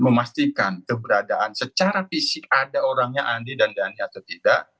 memastikan keberadaan secara fisik ada orangnya andi dan dhani atau tidak